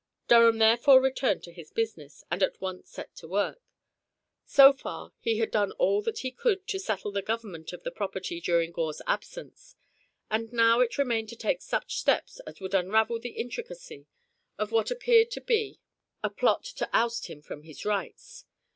Durham therefore returned to his business, and at once set to work. So far he had done all that he could to settle the government of the property during Gore's absence, and it now remained to take such steps as would unravel the intricacy of what appeared to be a plot to oust him from his rights.